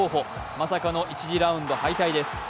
まさかの１次ラウンド敗退です。